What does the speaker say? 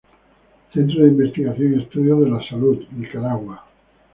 Centro de investigaciones y estudios de la Salud, Nicaragua.